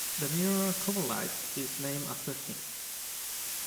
The mineral kobellite is named after him.